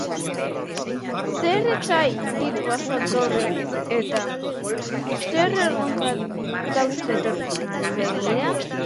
Zer etsai ditu basoak gaur egun, eta zer erronka dauzka etorkizunari begira?